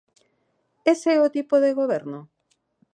¿Ese é o tipo de goberno?